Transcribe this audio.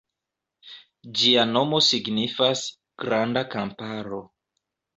Ĝia nomo signifas "Granda Kamparo".